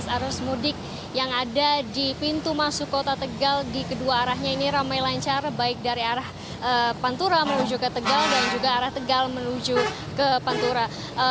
arus mudik yang ada di pintu masuk kota tegal di kedua arahnya ini ramai lancar baik dari arah pantura menuju ke tegal dan juga arah tegal menuju ke pantura